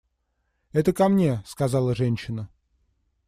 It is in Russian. – Это ко мне, – сказала женщина.